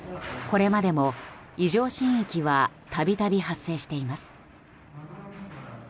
これまでも異常震域は度々、発生しています。